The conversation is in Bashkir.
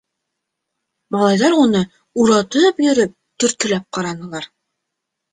Малайҙар уны, уратып йөрөп, төрткөләп ҡаранылар.